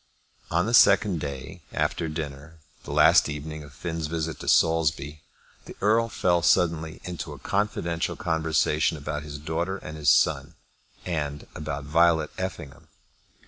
On the second day after dinner, the last evening of Finn's visit to Saulsby, the Earl fell suddenly into a confidential conversation about his daughter and his son, and about Violet Effingham.